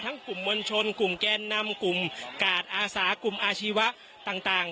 กลุ่มมวลชนกลุ่มแกนนำกลุ่มกาดอาสากลุ่มอาชีวะต่าง